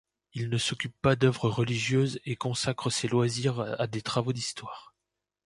Il ne s'occupe pas d’œuvres religieuses et consacre ses loisirs à des travaux d'histoire.